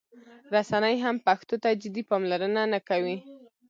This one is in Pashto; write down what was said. رسنۍ هم پښتو ته جدي پاملرنه نه کوي.